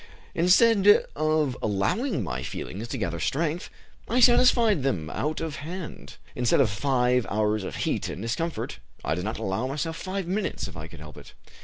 Instead of allowing my feelings to gather strength, I satisfied them out of hand. Instead of five hours of heat and discomfort, I did not allow myself five minutes, if I could help it.